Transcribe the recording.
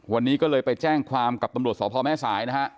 วันนี้ก็เลยไปแจ้งความกับตำรวจสพแม่สายนะฮะ